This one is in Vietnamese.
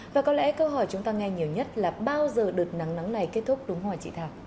và có lẽ câu hỏi chúng ta nghe nhiều nhất là bao giờ đợt nắng nóng này kết thúc đúng không ạ chị thảo